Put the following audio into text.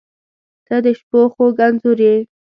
• ته د شپو خوږ انځور یې.